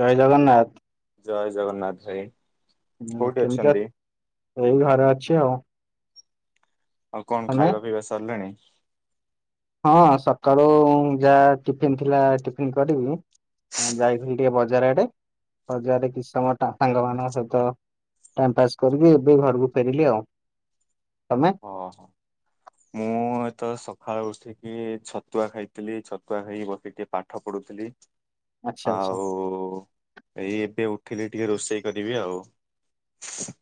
ଜୟ ଜଗନ୍ନାଥ। ଜୟ ଜଗନ୍ନାଥ ଭାଇ କୋଉଠି କେମିତି ଅ ଅଛନ୍ତି ଏଇ ଘରେ ଅଛି ଆଉ। ଆଉ କଣ ତମେ? ଖାଇବା ପିଇବା ସରିଲାଣି। ହଁ ସକାଳୁ ଯାହା ଟିଫିିନ ଥିଲା, ଟିଫିନ କରିବି। ହଁ ଯାଇଥିଲି ଟିକେ ବଜାର ଆଡେ। ବଜାରରେ କିଛି ସମୟ ସାଙ୍ଗମାନଙ୍କ ସହିତ ଟାଇମ ପାସ୍ କରିକି ଏବେ ଘରକୁ ଫେରିଲି ଆଉ। ତମେ? ଓହୋ। ମୁଁ ଏ ତ ସକାଳୁ ଉଠିକି ଛତୁଆ ଖାଇଥିଲି। ଛତୁଆ ଖାଇକି ବସିକି ଟିକେ ପାଠ ପଢ଼ୁଥିଲି। ଆଚ୍ଛା ଆଚ୍ଛା ଆଉ ଏଇ ଏବେ ଉଠିଲି ଟିକେ ରୋଷେଇ କରିବି ଆଉ।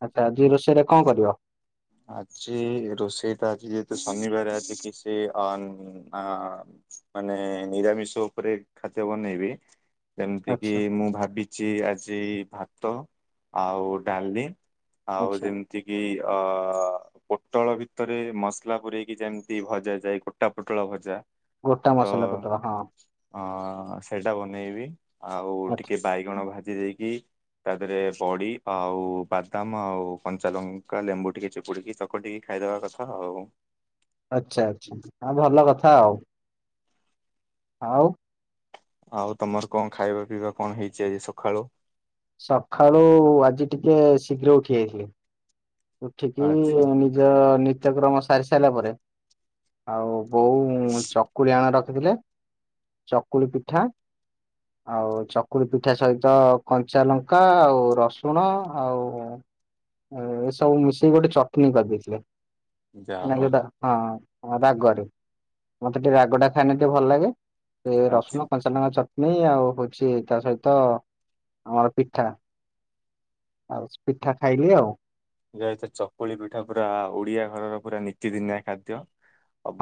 ଆଚ୍ଛା ଆଜି ରୋଷେଇରେ କଣ କରିବ? ଆଜି ରୋଷେଇ ତ ଆଜି ଯେହେତୁ ଶନିବାର ଆଜି କିଛି ଅନ ଆ ମାନେ ନିରାମିଷ ଉପରେ ଖାଦ୍ୟ ବନେଇବି। ଯେମିତି କିି ଆଚ୍ଛା ମୁଁ ଭାବିଛି ଆଜି ଭାତ ଆଉ ଡାଲି। ଆଉ ଆଚ୍ଛା ଯେମିତି କିି ଅ ଅ ପୋଟଳ ଭିତରେ ମସଲା ପୂରେଇକି ଯେମତି ଭଜା ଯାଏ ଗୋଟା ପୋଟଳ ଭଜା। ଗୋଟା ତ ମସଲା ପୋଟଳ ହଁ ଅ ସେଇଟା ବନେଇବି ଆଉ ଟିକେ ବାଇଗଣ ଭାଜି ଦେଇକି ତା ଦେହରେ ବଡି ଆଉ ବାଦାମ ଆଉ କଞ୍ଚାଲଙ୍କା ଲେମ୍ବୁ ଟିକେ ଚି ପୁଡ଼ିକି ଚକଟିକି ଖାଇଦେବା କଥା ଆଉ ଆଚ୍ଛା ଆଚ୍ଛା ହଁ ଭଲ କଥା ଆଉ। ଆଉ ଆଉ ତମର କଣ ଖାଇବା ପିଇବା କଣ ହେଇଛି ଆଜି ସକାଳୁ? ସକାଳୁ ଆଜି ଟିକେ ଶୀଘ୍ର ଉଠି ଯାଇଥିଲେ ଉଠିକି ଆଚ୍ଛା ନିଜ ନିତ୍ୟକ୍ରମ ସାରି ସାରିଲା ପରେ ଆଉ ବୋଉ ଚକୁଳି ଆଣ ରଖିଥିଲେ ଚକୁଳି ପିଠା ଆଉ ଚକୁଳି ପିଠା ସହିତ କଞ୍ଚା ଲଙ୍କା ଆଉ ରସୁଣ ଆଉ ଏ ସବୁ ମିସେଇକି ଗୋଟେ ଚଟ୍ନି କରିଦେଇଥିଲେ। ଯାହା ନେ ହଉ ଯୋଉଟା ହଁ ରାଗରେ ମତେ ଟିକେ ରାଗ ଟା ଖାଇଲେ ଟିକେ ଭଲ ଲାଗେ। ଏ ରସୁଣ ଆଚ୍ଛା। କଞ୍ଚ ଞ୍ଚ ନକା ଚଟ୍ନି ଆଉ ହଉଛି। ତା ସହିତ କମର ପିଠା। ଆଉ ପିଠା ଖାଇଲି ଆଉ [unintelligible] ଚକୁଳି ପିଠା ପୁରା ଓଡିଆ ଘରର ପୁରା ନୀତିଦିନିଆ ଖାଦ୍ୟ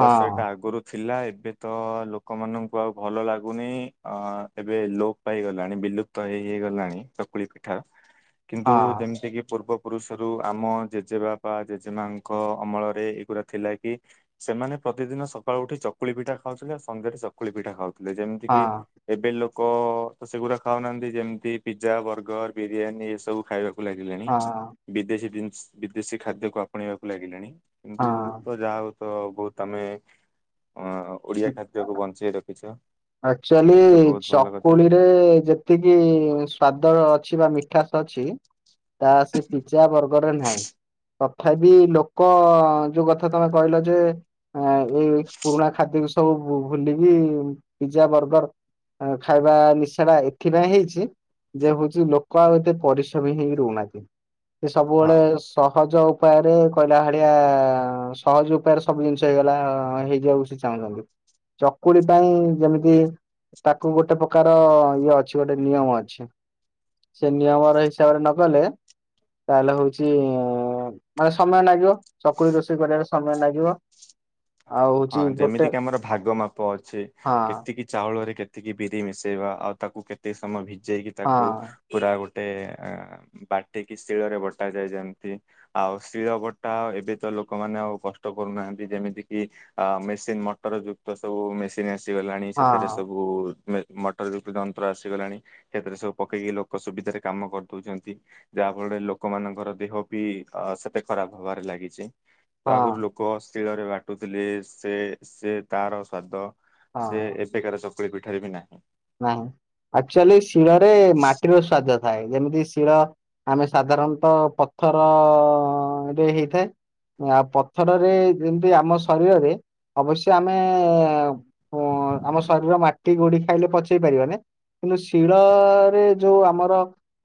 ହଁ ଏଇଟା ଆଗୁରୁ ଥିଲା ଏବେ ତ ଲୋକମାନଙ୍କୁ ଆଉ ଭଲ ଲାଗୁନି ଅ ଏବେ ଲୋପ ପାଇଗଲାଣି। ବିଲୁପ ତ ହେଇ ହେଇଗଲାଣି ଚକୁଳି ପିଠା। କିନ୍ତୁ ହଁ ଯେମିତି କି ପୂର୍ବ ପୁରୁଷ ସେଥିରୁ ଆମ ଜେଜେବାପ ଜେଜେ ମାଙ୍କ ଅମଳରେ ଏଇଗୁଡ଼ା ଥିଲା କି ସେମାନେ ପ୍ରତିଦିନ ସକାଳୁ ଉଠି ଚକୁଳି ପିଠା ଖାଉଥିଲେ ଆଉ ସନ୍ଧ୍ୟାରେ ଚକୁଳି ପିଠା ଖାଉଥିଲେ ଯେମିତି କିି ହଁ ଏବେ ଲୋକ ସେଗୁଡା ଖାଉନାହାନ୍ତି ଯେମିତି ପିଜା ବର୍ଗର ବିରିୟାନୀ ଏସବୁ ଖାଇବାକୁ କୁ ଲାଗିଲେଣି ହଁ ବିଦେଶୀ ଜିନିଷ ବିଦେଶୀ ଖାଦ୍ୟକୁ ଆପଣେଇବାକୁ ଲାଗିଲେଣି। [unintelligible] ହଁ ତ ଯାହା ହଉ ତ ବହୁତ ଆମେ ଅ ଓଡିଆ ଖାଦ୍ୟକୁ ବଞ୍ଚେଇ ରଖିଛ ଆକ୍ଚୁଆଲି ତ ବହୁତ ଭଲ କଥା ଚକୁଳି ରେ ଯେତ୍ ତିକି ସ୍ଵାଦ ଅଛି ବା ମିଠାଶ ଅଛି ତା ସେ ପିଜା ବର୍ଗରରେ ନାହିଁ। ତଥାବି ଲୋକ ଯୋଉ ଗଥା ତମେ କହିଲ ଯେ? ଆ ଏଇ [unintelligible] ପୁରୁଣା ଖାଦ୍ୟକୁ ସବୁ ଭୁଲିକି ପିଜା ବର୍ଗର ଖାଇବା ନିଶାଟା ଏଥିପାଇଁ ହେଇଛି ଯେ ହୋଉଚି ଲୋକ ଆଉ ଏତେ ପରିଶ୍ରମୀ ହେଇକି ରହୁନାହାନ୍ତି। ସେ ହଁ ସବୁବେଳେ ସହଜ ଉପାୟରେ କହିଲା ହଳିଆ ସହଜ ଉପାୟରେ ସବୁ ଜିନିଷ ହେଇଗଲା। ହେଇଯିବାକୁ ସେ ଚାହୁଁଛନ୍ତି ଚକୁଳି ପାଇଁ ଯେମିତି ତାକୁ ଗୋଟେ ପକାର ଇଏ ଅଛି। ଗୋଟେ ନିୟମ ଅଛି। ସେ ନିୟମର ହିସାବରେ ନ କଲେ ତାହେଲେ ହୋଉଚି ମାନେ ସମୟ ଲାଗିବ ଚକୁଳି ରୋଷେଇ କରିବାରେ ସମୟ ଲାଗିବ। ଆଉ ହଉଛି ହଁ ଗୋଟେ ଯେମିତିକି ଆମର ଭାଗ ମାପ ଅଛି ହଁ କେତିକି ଚାଉଳରେ କେତିକି ବିରି ମିଶେଇବା ଆଉ ତାକୁ କେତକି ସମୟ ଭିଜେଇକି ହଁ ତାକୁ ପୁରା ଗୋଟେ ଅ ବାଟିକି ଶିଳରେ ବଟା ଯାଇ ଯେମନ୍ତି ଆଉ ଶିଳ ବଟା ଏବେ ତ ଲୋକମାନେ ଆଉ କଷ୍ଟ କରୁନାହାନ୍ତି। ଯେମିତି କିି ଆ ମେସିନ ମଟର ଯୁକ୍ତ ସବୁ ମେସିନ ଆସିଗଲାଣି ସେଥିରେ ହଁ ସବୁ ମେଟ ମଟର ଯୁକ୍ତି ଯନ୍ତ୍ର ଆସିଗଲାଣି ସେଥିରେ ସବୁ ପକେଇକି ଲୋକ ସୁବିଧାରେ କାମ କରିଦଉଛନ୍ତି ଯାହା ଫଳରେ ଲୋକମାନାନଙ୍କର ଦେହ ବି ଅ ସେତେ ଖରାପ ହବାରେ ଲାଗିଛି ତ ହଁ ଆଗରୁ ଲୋକ ଶୀଳରେ ବାଟୁଥିଲେ ସେ ସେ ତାର ସ୍ଵାଦ ସେ ହଁ। ଏ ଏକାର ଚକୁଳି ପିଠାରେ ବି ନାହିଁ। ନାଇଁ ଆକ୍ଚୁଆଲି ଶିଳରେ ମାଟିର ସ୍ଵାଦ ଥାଏ ଯେମିତି ଶିଳ ଆମେ ସାଧାରଣତଃ ପଥର ରେ ହେଇଥାଏ। ଆଉ ପଥରରେ ଯେମିତି ଆମ ଶରୀରରେ। ଅବଶ୍ୟ ଆମେ ଉଁ ଆମ ଶରୀର ମାଟି ଗୋଡି ଖାଇଲେ ପଚେଇ ପାରିବନି। ନ୍ତୁ ଶିଳରେ ଯୋଉ ଆମର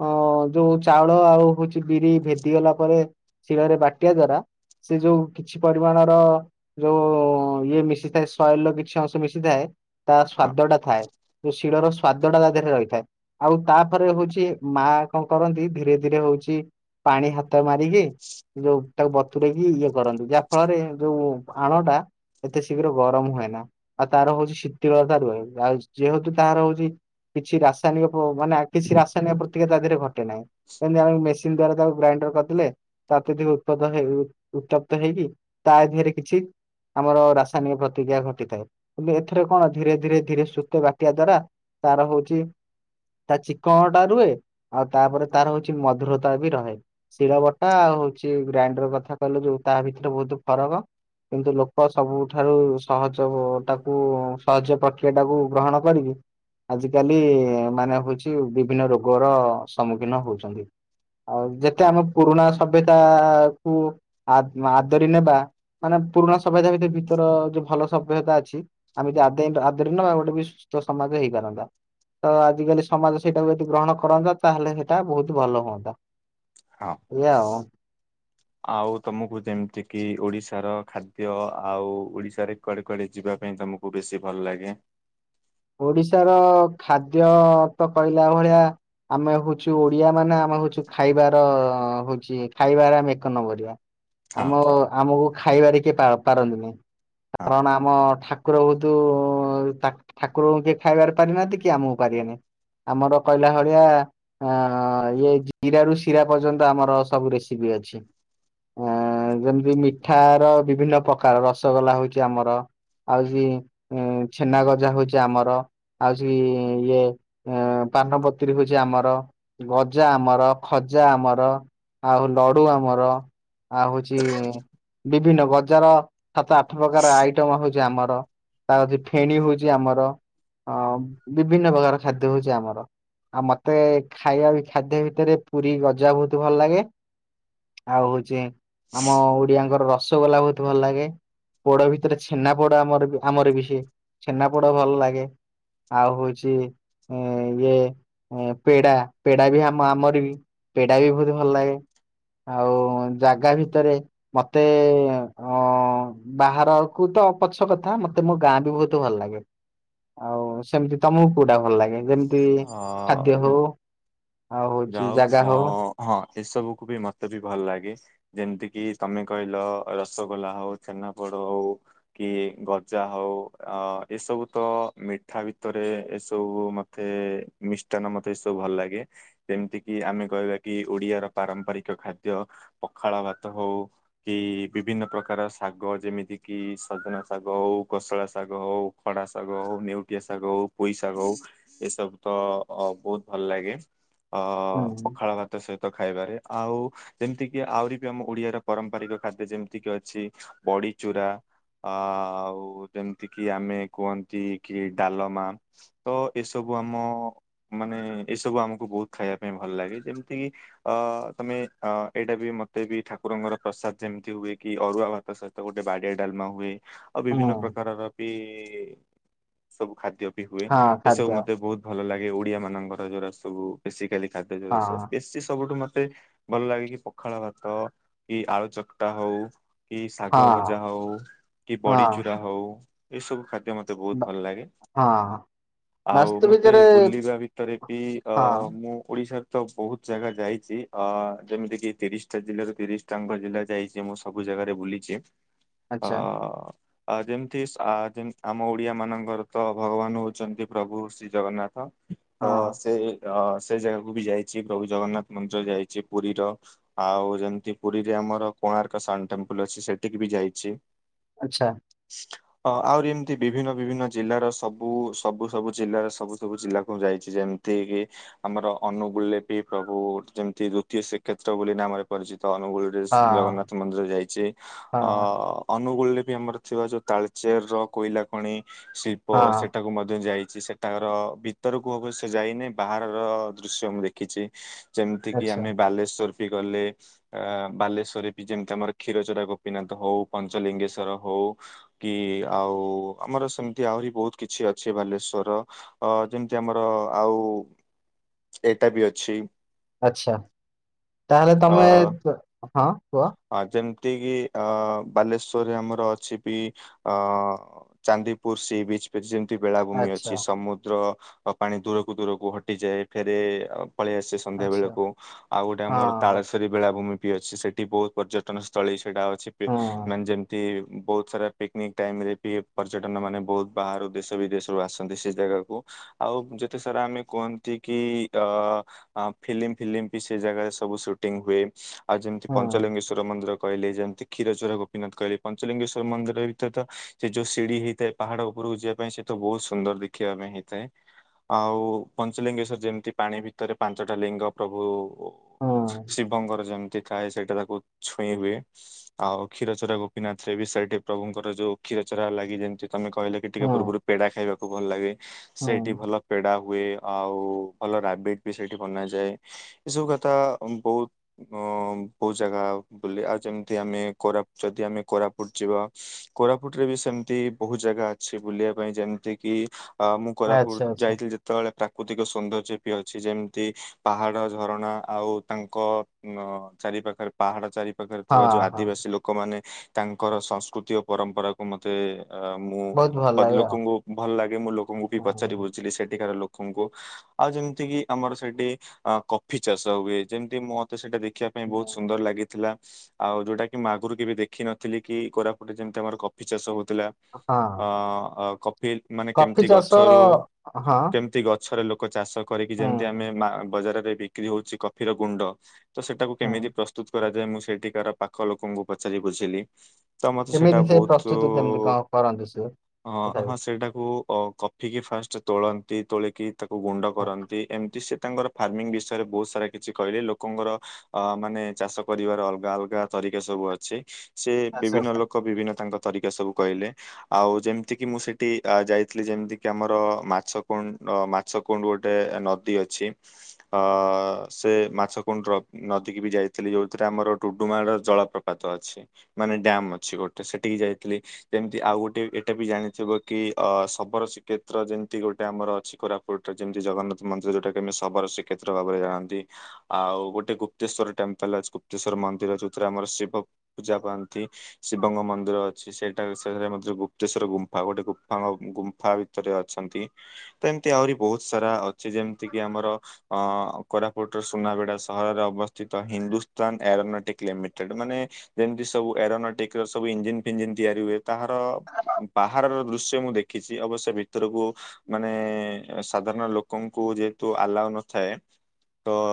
ଅ ଯୋଉ ଚାଉଳ ଆଉ ହୋଉଛି ବିରି ଭେଦି ଗଲା ପରେ ଶିଳରେ ବାଟିବା ଦ୍ଵାରା ସେ ଯୋଉ କିଛି ପରିମାଣର ଯୋଉ ଇଏ ମିଶିଥାଏ ସଏଲ କିଛି ଅଂଶ ମିଶିଥାଏ। ତା ହଁ ସ୍ଵାଦ ଟା ଥାଏ। ଯୋଉ ଶିଳର ସ୍ଵାଦ ଟା ତା ଦେହରେ ରହିଥାଏ। ଆଉ ତାପରେ ହୋଉଚି ମା କଣ କରନ୍ତି ଧୀରେ ଧୀରେ ହଉଚି ପାଣି ହାତ ମାରିକି ଯୋଉ ତାକୁ ବତୁରେଇକି ଇଏ କରନ୍ତି। ଯା ଫଳରେ ଯୋଉ ଆଣଟା ଏତେ ଶୀଘ୍ର ଗରମ ହୁଏନା। ଆଉ ତାର ହଉଛି ଶୀତଳତା ରୁହେ ଆଉ ଯେହେତୁ ତାର ହଉଚି କିଛି ରାସାୟନିକ ପ ମାନେ କିଛି ରାସାୟନିକ ପ୍ରତିକା ତା ଦେହରେ ଘଟେ ନାହିଁ। [unintelligible] ମେସିନ ଦ୍ଵାରା ତାକୁ ଗ୍ରାଇଣ୍ଡର କରିଥିଲେ। ତାତି ଟିକେ ଉତ୍ପାଦ ହେଇ ଉତ୍ପପ୍ତ ହେଇକି ତା ଦେହରେ କିଛି ଆମର ରାସାୟନିକ ପ୍ରତିକ୍ରିୟା ଘଟିଥାଏ କିନ୍ତୁ ଏଥରେ କଣ ଧୀରେ ଧୀରେ ଧୀରେ ଶୁ କେ ବାଟିବା ଦ୍ଵାରା ତାର ହୋଉଚି ତା ଚିକଣଟା ରୁହେ ଆଉ ତାପରେ ତାର ହୋଉଚି ମଧୁରତା ବି ରହେ। ଶିଳ ବଟା ଆଉ ହୋଉଚି ଗ୍ରାଇଣ୍ଡର କଥା କହିଲୁ ଯୋଉ ତା ଭିତରେ ବୋହୁତ ଫରକ। କିନ୍ତୁ ଲୋକ ସବୁଠାରୁ ସହଜ ପ-ଟାକୁ ସହଜ ପ୍ରକ୍ରିୟାଟାକୁ ଗ୍ରହଣ କରିକି ଆଜିକାଲି ମାନେ ହୋଉଚି ବିଭିନ୍ନ ରୋଗର ସମ୍ମୁଖୀନ ହୋଉଚନ୍ତି। ଆଉ ଯେତେ ହଁ ଆମେ ପୁରୁଣା ସଭ୍ୟତାକୁ ଆ-ଆଦରି ନେବା ମାନେ ପୁରୁଣା ସଭ୍ୟତା ଭିତରେ ବି ତୋର ଯୋଉ ଭଲ ସଭ୍ୟତା ଅଛି ଆମେ ଯେ ଆଦେୟା ଆଦରି ନ ଆଉ ଗୋଟେ ବି ଷ୍ଟ ସମାଜ ହେଇପାରନ୍ତା। ତ ଆଜିକାଲି ସମାଜ ସେଇଟାକୁ ଯଦି ଗ୍ରହଣ କରନ୍ତା ତାହେଲେ ହେଟା ବୋହୁତ ଭଲ ହୁଅନ୍ତା। ହଁ। ଏଇଆ ଆଉ। ଆଉ ତମକୁ ଯେମତିକିି ଓଡିଶାର ଖାଦ୍ୟ ଆଉ ଓଡିଶାରେ କୁଆଡେ କୁଆଡେ ଯିବା ପାଇଁ ତମକୁ ବେଶୀ ଭଲ ଲାଗେ? ଓଡିଶାର ଖାଦ୍ୟ ତ କହିଲା ଭଳିଆ ଆମେ ହୋଉଚୁ ଓଡିଆ ମାନେ ଆମେ ହୋଉଚୁ ଖାଇବାର ହୋଉଚି ଖାଇବାରେ ଆମେ ଏକ ନମ୍ବରଆ। ଆମ ହଁ ଆମକୁ ଖାଇବାରେ କିଏ ପା-ପାରନ୍ତିନି ହଁ କାରଣ ଆମ ଠା ଠାକୁର ବୋହୁତୁ ତାକୁ ଠାକୁରଙ୍କୁ କେହି ଖାଇବାର ପାରିନାହାନ୍ତି କି ଆମକୁ ପାରିବେନେଇ। ଆମର କହଲା ଭଳିଆ ଅ ଇଏ ଜିରାରୁ ଶିରା ପର୍ଯ୍ୟନ୍ତ ଆମର ସବୁ ରେସିପି ଅଛି। ଅଁ ଯେମତି ମିଠାର ବିଭିନ୍ନ ପ୍ରକାର ରସଗୋଲା ହୋଉଚି ଆମର। ଆଉ ସିଏ ଏଁ ଛେନାଗ ଜା ହୋଉଚି ଆମର ଆଉ ସେ ଇଏ ପାନପତ୍ରୀ ହୋଉଚି ଆମର। ଗଜା ଆମର, ଖଜା ଆମର। ଆଉ ଲଡୁ ଆମର ଆଉ ହୋଉଚି ବିଭିନ୍ନ ବଜାର ସାତ ଆଠ ପ୍ରକାର ଆଇଟମ ହୋଉଚି ଆମର ତା କତୁର ଫେଣୀ ହୋଉଚି ଆମର। ହଁ ବିଭିନ୍ନ ପ୍ରକାର ଖାଦ୍ୟ ହୋଉଚି ଆମର। ଆଉ ମତେ ଖାଇବା ବି ଖାଦ୍ୟ ଭିତରେ ପୁରୀ ଗଜା ବୋହୁତ ଭଲ ଲାଗେ। ଆଉ ହୋଉଚି ଆମ ଓଡିଆଙ୍କର ରସ୍ ସଗୋଲା ବୋହୁତ ଭଲ ଲାଗେ ପୋଡ ଭିତରେ ଛେନାପୋଡ ଆମର ଆମର ବି ସିଏ। ଛେନାପୋଡ ଭଲ ଲାଗେ ଆଉ ହୋଉଚି ଏଁ ଇଏ ଏଁ ପେଡା ପେଡା ବି ଆମ ଆମର ବି ପେଡା ବି ବୋହୁତ ଭଲ ଲାଗେ। ଆଉ ଜାଗା ଭିତରେ ମତେ ଅ ବାହାରକୁ ତ ପଛ କଥା ମତେ ମୋ ଗାଁ ବି ବୋହୁତ୍ ତୁ ଭଲ ଲାଗେ ଆଉ ସେମିତି ତମକୁ କୋଉଟା ଭଲ ଲାଗେ ଯେମି ତି ଖାଦ୍ୟ ଅ ହୋଉ ଆଉ ହୋଉଚି ଯାଉ ଜାଗା ମ ହୋଉ। ହଁ ଏସବୁକୁୁ ବି ମତେ ବି ଭଲ ଲାଗେ। ଯେମିତିକି ତମେ କହିଲ ରସଗୋଲା ହୋଉ ଛେନାପୋଡ ହୋଉ। କି ଗଜା ହୋଉ ଆ ଏସବୁ ତ ମିଠା ଭିତରେ ଏସବୁ ମ ମତେ ମିଷ୍ଟାନ ମତେ ଏ ସବୁ ଭଲ ଲାଗେ। ଯେମିତି କିି ଆମେ କହିବା କି ଓଡିଆର ପାରମ୍ପରିକ ଖାଦ୍ୟ ପଖାଳ ଭାତ ହୋଉ। କି ବିଭିନ୍ନ ପ୍ରକାର ଶାଗ ଯେମିତି କିି ସଜନା ଶାଗ ହୋଉ, କୋଷଳା ଶାଗ ହୋଉ। ଖଡ଼ା ଶାଗ ହୋଉ, ନେଉଟିଆ ଶାଗ ହୋଉ, ପୋଇ ଶାଗ ହୋଉ। ଏସବୁ ତ ଅ ବୋହୁତ ଭଲ ଲାଗେ ଅ ହୁଁ ହୁଁ ପଖାଳ ଭାତ ସହିତ ଖାଇବାରେ। ଆଉ ଯେମିତିକି ଆହୁରି ବି ଆମ ଓଡିଆର ପରମ୍ପାରିକ ଖାଦ୍ୟ ଯେମିତିକି ଅଛି ବଡି ଚୂରା ଆ ଆଉ ଯେମିତି କିି ଆମେ କୁହନ୍ତି କି ଡାଲମା ତ ଏସବୁ ଆମ ମାନେ ଏସବୁ ଆମକୁ ବୋହୁତ ଖାଇବା ପାଇଁ ଭଲ ଲାଗେ ଯେମିତିକି ଅ ତମେ ଅ ଏଇଟା ବି ମତେ ବି ଠାକୁରଙ୍କର ପ୍ରସାଦ ଯେମତି ହୁଏ କି ଅରୁଆ ଭା ତା ସହିତ ଗୋଟେ ବାଡିଆ ଡାଲମା ହୁଏ। ଆଉ ବିଭିନ୍ନ ପ୍ରକାରର ବି ସବୁ ଖାଦ୍ୟ ବି ହୁଏ ହଁ ଏସବୁ ଖାଦ୍ୟ ମଧ୍ୟ। ବହୁତ ଭଲ ଲାଗେ ଓଡିଆ ମାନଙ୍କର ଜୋରା ସବୁ ବେଶିକାଲି ଖାଦ୍ୟ ଜୋରା ହଁ ସବୁ ବେଶୀ ସବୁଠୁ ମତେ ଭଲ ଲାଗେ କି ପଖାଳ ଭାତ କି ଆଳୁ ଚକଟା ହଉ। କି ଶାଗ ହଁ। ଭଜା ହଉ କି ହଁ ବଡ଼ିଚୁରା ହଉ ଏଇ ସବୁ ଖାଦ୍ୟ ମତେ ବହୁତ ଭଲ ଲାଗେ। ହଁ। ଆଉ ମତେ ବାସ୍ତବିକରେ ବୁଲିବା ଭିତରେ ବି ଅ ହଁ ମୁଁ ଓଡିଶାର ତ ବହୁତ ଜାଗା ଯାଇଛି ଅ ଯେମିତି କିି ତିରିଶ ଟା ଜିଲ୍ଲାରୁ ତିରିଶ ଟାଙ୍କ ଜିଲ୍ଲା ଯାଇଛି ମୁଁ। ସବୁ ଜାଗାରେ ବୁଲିଛି। ଆଚ୍ଛା ଅ ଯେମିତି ଯେ ଆମ ଓଡିଆ ମାନଙ୍କର ତ ଭଗବାନ ହଉ ହଉଛନ୍ତି ପ୍ରଭୁ ଶ୍ରୀ ଜଗନ୍ନାଥ ହଁ ତ ସେ ଅ ସେ ଜାଗାକୁ ବି ଯାଇଛି ପ୍ରଭୁ ଜଗନ୍ନାଥ ମନ୍ଦିର ଯାଇଛି ପୁରୀର। ଆଉ ଯେମିତି ପୁରୀରେ ଆମର କୋଣାର୍କ ସନ୍ ଟେମ୍ପଲ ଅଛି ସେଠିକି ବି ଯାଇଛି। ଆଚ୍ଛା। ଅ ଆହୁରି ଏମିତି ବିଭିନ୍ନ ବିଭିନ୍ନ ଜିଲ୍ଲାର ସବୁ ସବୁ ସବୁ ଜିଲ୍ଲାର ସବୁ ସବୁ ଜିଲ୍ଲା କୁ ଯାଇଛି ଯେମିତି କି। ଆମର ଅନୁଗୁଳରେ ବି ପ୍ରଭୁ ଯେମିତି ଦ୍ଵିତୀୟ ଶ୍ରୀକ୍ଷେତ୍ର ବୋଲି ନାମରେ ପରିଚିତ ଅନୁଗୁଳ। ହଁ ଜଗନ୍ନାଥ ମନ୍ଦିର ଯାଇଛି ହଁ ଅ ଅନୁଗୁଳରେ ବି ଆମର ଥିବା ଯୋଉ ତାଳଚେର ର କୋଇଲା ଖଣି ଶିଳ୍ପ ହଁ ସେ ଟାକୁ ମ ଯାଇଛି ସେଠା କାର ଭିତର କୁ ଅବଶ୍ୟ ଯାଇନି ବାହାରର ଦୃଶ୍ୟ ମୁଁ ଦେଖିଛି। ଯେମିତି କିି ଆଚ୍ଛା ଆମେ ବାଲେଶ୍ଵର ବି ଗଲେ। ଅ ବାଲେଶ୍ଵରରେ ବି ଯେମିତି ଆମର କ୍ଷୀରଚୋରା ଗୋପୀନାଥ ହଉ, ପଞ୍ଚଲିଙ୍ଗେଶ୍ଵର ହଉ। କି ଆଉ ଆମର ସେମିତି ଆହୁରି ବହୁତ କିଛି ଅ ଅଛି ବାଲେଶ୍ଵର ଅ ଯେମିତି ଆମର ଆଉ। ଏଇଟା ବି ଅଛି। ଆଛା, ତାହେଲେ ତମେ ହଁ କୁହ? ଅ ଯେମିତି କିି ଅ ବାଲେଶ୍ଵରରେ ଆମର ଅଛି ବି ଅ ଚାନ୍ଦିପୁର ସି ବିଚ ପିଚ ଯେମିତି ବେଳାଭୂମି ଆଚ୍ଛା ଅଛି ସମୁଦ୍ର। ପାଣି ଦୂରକୁ ଦୂରକୁ ହଟିଯାଏ ଫେରେ ପଳେଇ ଆସେ ସନ୍ଧ୍ୟା ଆଚ୍ଛା ବେଳକୁ ଆଉ ଗୋଟେ ଆମର ହଁ ତାଳ ବେଳାଭୂମି ବି ଅଛି ସେଠି ବହୁ ପର୍ଯ୍ୟଟ ଟନସ୍ଥଳୀ ସେଟା ଅଛି ହଁ ମାନେ ଯେମିତି ବହୁତ ସାରା ପିକନିକ ଟାଇମ ରେ ବି ପର୍ଯ୍ୟଟନ ମାନେ ବହୁତ ବାହାରୁ ଦେଶ ବିଦେଶରୁୁ ଆସନ୍ତି ସେ ଜାଗାକୁ। ଆଉ ଯେତେ ସାରା ଆମେ କୁହନ୍ତି କି ଅ ଫିଲ୍ମ ଫିଲ୍ମ ବି ସେ ଜାଗାରେ ସବୁ ସୁଟିଂ ହୁଏ ଆଉ ଯେମିତି ହଁ ପଞ୍ଚଲିଙ୍ଗେଶ୍ଵର ମନ୍ଦିର କହିଲି ଯେମିତି କ୍ଷୀର ଚୋର ଗୋପୀନାଥ କହିଲି, ପଞ୍ଚଲିଙ୍ଗେଶ୍ଵର ମନ୍ଦିର ଭିତରେ ତ ସେ ଯୋଉ ସିଢି ହେଇଥାଏ ପାହାଡ ଉପରକୁ ଯିବା ପାଇଁ ସେ ତ ବହୁତ ସୁନ୍ଦର ଦେଖିବା ପାଇଁ ହେଇଥାଏ। ଆଉ ପଞ୍ଚଲିଙ୍ଗେଶ୍ଵର ଯେମିତି ପାଣି ଭିତରେ ପାଞ୍ଚଟା ଲିଙ୍ଗ ପ୍ରଭୁ ହଁ ଶିବଙ୍କର ଯେମିତି ଥାଏ ସେଇଟା ତାକୁ ଛୁଇଁ ହୁଏ। ଆଉ କ୍ଷୀର ଚୋରା ଗୋପୀନାଥ ରେ ବି ସେଇଠି ପ୍ରଭୁଙ୍କର ଯୋଉ କ୍ଷୀର ଚୋରା ଲାଗି ଯେମିତି ତମେ କହିଲେ କି ଟିକେ ହଁ ପୂର୍ବରୁ ପେଡା ଖାଇବାକୁ ଭଲ ଲାଗେ ହଁ ସେଇଠି ଭଲ ପେଡା ହୁଏ। ଆଉ ଭଲ ରାବିଟ ବି ସେଇଠି ବନାଯାଏ। ଏସବୁ କଥା ବହୁତ ଅ ବହୁତ ଜାଗା ବୁଲେ ଆଉ ଯେମିତି ଆମେ କୋରା ଯଦି ଆମେ କୋରାପୁଟ ଯିବା। କୋରାପୁଟରେ ବି ସେମିତି ବହୁତ ଜାଗା ଅଛି ବୁଲିବା ପାଇଁ ଯେମିତି କିି ମୁଁ କୋରାପୁର ଆଚ୍ଛା ଆଚ୍ଛା ଯାଇଥିଲି ଯେ ଯେତେବେଳେ ପ୍ରାକୃତିକ ସୌନ୍ଦର୍ଯ୍ୟ ବି ଅଛି ଯେମିତି ପାହାଡ଼ ଝରଣା ଆଉ ତାଙ୍କ ଅ ଚାରି ପାଖରେ ପାହାଡ ଚାରି ପାଖରେ ହଁ ଥିବା ଯୋଉ ହଁ ଆଦିବାସୀ ଲୋକ ଲୋକମାନୋନ ତାଙ୍କର ସଂସ୍କୃତି ଓ ପରମ୍ପରାକୁ ମତେ ଅ ମୁଁ ବହୁତ ଭଲ ଲାଗେ ଆଉ ଲୋକଙ୍କୁ ଭଲ ଲାଗେ ମୁଁ ଲୋକଙ୍କୁ ବି ପଚାରି ବୁଝିଲି ସେଠିକାର ଲୋକଙ୍କୁ। ଆଉ ଯେମିତି କି ଆମର ସେଠି ଅ କଫି ଚାଷ ହୁଏ ଯେମିତି ମତେ ସେଇଟା ଦେଖିବା ଏଁ, ବହୁତ ସୁନ୍ଦର ଲାଗିଥିଲା। ଆଉ ଯୋଉଟା କି ଆଗରୁ କେବେ ଦେଖିନଥିଲି କି କୋରାପୁଟରେ ଯେମିତି ଆମର କଫି ଚାଷ ହଉଥିଲା। ହଁ ଅ, ଅ, କଫି ମାନେ କଫି କେମତି ଚାଷ ଗଛରୁ ହଁ କେମତି ଗ ଛରେ ଲୋକ ଚାଷ କରିକି ଯେମିତି ଆମେ ହୁଁ ମା-ବଜାରରେ ବିକ୍ରି ହଉଛି କଫି ର ଗୁଣ୍ଡ ତ ସେଟାକୁ ହୁଁ କେମିତି ପ୍ରସ୍ତୁତ କରାଯାଏ ମୁଁ ସେଠିକାର ପାଖ ଲୋକଙ୍କୁ ପଚାରି ବୁଝିଲି। ତ ମୋତେ ସେଇଟା କେମିତି ସେ ବହୁତୁ ପ୍ରସ୍ତୁତି କେମିତି କଣ କରନ୍ତି ସିଏ ଅଁ, ତଥାପି ହଁ ସେଇଟାକୁ ଓ କଫିିକି ଫାଷ୍ଟ ତୋଳନ୍ତି। ତୋଳିକି ତାକୁ ଗୁଣ୍ଡ ହଁ, କରନ୍ତି। ଏମତି ସେ ତାଙ୍କର ଫାର୍ମିଂ ବିଷୟରେ ବହୁତ ସାରା କିଛି କହିଲେ। ଲୋକଙ୍କର ଅ, ମାନେ ଚାଷ କରିବାର ଅଲଗା ଅଲଗା ତରିକା ସବୁ ଅଛି। ସେ ଆଚ୍ଛା ବିଭିନ୍ନ ଆଚ୍ଛା ଲୋକ ବିଭିନ୍ନ ତାଙ୍କ ତରିକା ସବୁ କହିଲେ। ଆଉ ଯେମିତି କିି ମୁଁ ସେଠି ଆ, ଯାଇଥିଲି, ଯେମିତି କି ଆମର ମାଛ କଣ ର ମାଛ ଛ କୁଣ୍ଡ୍ ଗୋଟେ ଏ ନଦୀ ଅଛି। ଅ, ସେ ମାଛ କୁଣ୍ଡ୍ ର ନଦୀକି ବି ଯାଇଥିଲି ଯୋଉଥିରେ ଆମର ଟୁଡୁମାଳ ଜଳପ୍ରପାତ ଅଛି। ମାନେ ଡ୍ୟାମ୍ ଅଛି ଗୋଟେ ସେଠିକି ଯାଇଥିଲି। ସେମତି ଆଉ ଗୋଟେ ଏଟା ବି ଜାଣିଥିବ କି ଅ, ଶବର ଶ୍ରୀକ୍ଷେତ୍ର ଯେମିତି ଗୋଟେ ଆମର ଅଛି କୋରା ପୁଟ ଯେମିତି ଜଗନ୍ନାଥ ମନ୍ଦିର ଯୋଉଟା କି ଆମେ ଶବର ଶ୍ରୀକ୍ଷେତ୍ର ଭାବରେ ଜାଣନ୍ତି। ଆଉ ଗୋ ଟେ ଗୁପ୍ତେଶ୍ଵର ଟେମ୍ପଲ୍ ଅଛି। ଗୁପ୍ତେଶ୍ଵର ମନ୍ଦିର ଯୋଉଥିରେ ଆମର ଶିବ ପୂଜା ପାଆନ୍ ତି, ଶିବଙ୍କ ମନ୍ଦିର ଅ ସିଏ ସେଇଟାକୁ ସେଉରା ମଧ୍ୟ ଗୁପ୍ତେଶ୍ଵର ଗୁମ୍ଫା ଗୋଟେ। ଗୁଫାଙ୍ଗ ଗୁମ୍ଫା ଭିତରେ ଅଛନ୍ତି। ତ ଏମତି ଆହୁରି ବହୁତ ସାରା ଅଛି ଯେମିତି କିି ଆମର ଅ, କୋରାପୁଟର ସୁନାବେଡା। ସହର ଅବସ୍ଥିତ ହିନ୍ଦୁସ୍ତାନ ଏରୋନେଟିକ୍ ଲିମିଟେଡ୍ ମାନେ ଯେମିତି ସବୁ ଏରୋନଟିକ୍ ର ସବୁ ଇଞ୍ଜିନ୍ ଫିଞ୍ଜିିନ ତିଆରି ହୁଏ। ତାହାର ବାହାରର ଦୃଶ୍ୟ ମୁଁ ଦେଖିଛି। ଅବଶ୍ୟ ଭିତରକୁ ମାନେ ଏ ସାଧାରଣ ଲୋକଙ୍କୁ ଯେହେତୁ ଆଲାଓ ନଥାଏ। ତ